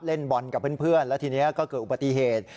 เล่นบอลกับเพื่อนแล้วทีนี้ก็เกิดอุบัติเหตุ